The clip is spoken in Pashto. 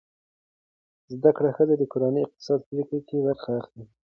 زده کړه ښځه د کورنۍ اقتصادي پریکړې کې برخه لري.